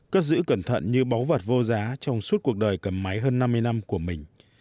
cất giữ cẩn thận như báu vật vô giá trong suốt cuộc đời cầm máy hơn năm mươi năm của mình